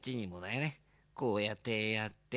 こうやってやって。